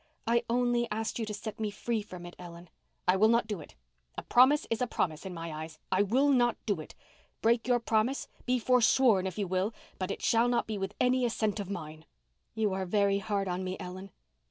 "I only asked you to set me free from it, Ellen." "I will not do it. A promise is a promise in my eyes. I will not do it. Break your promise—be forsworn if you will—but it shall not be with any assent of mine." "You are very hard on me, Ellen."